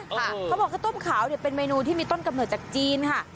เขาบอกต้มขาวเนี่ยเป็นเมนูที่มีต้นกำหนดจากจีนค่ะ